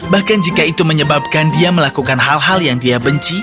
bahkan jika itu menyebabkan dia melakukan hal hal yang dia benci